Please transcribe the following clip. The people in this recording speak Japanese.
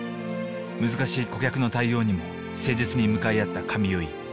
難しい顧客の対応にも誠実に向かい合った髪結い。